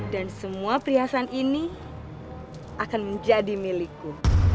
dan semua prihasan ini akan menjadi milikku